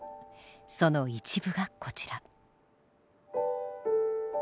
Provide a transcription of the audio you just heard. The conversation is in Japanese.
その一部がこちら。